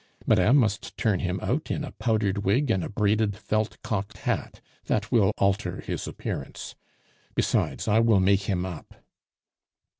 Madame must turn him out in a powdered wig and a braided felt cocked hat; that will alter his appearance. Besides, I will make him us."